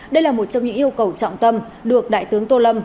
đây là một trong những yêu cầu trọng tâm được đại tướng tô lâm